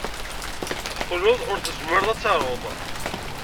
Teqqled ur tezmired ad tarud.